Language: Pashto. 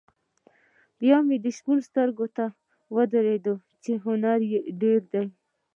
بیا مې شپون سترګو ته ودرېد چې هنر یې ډېر دی.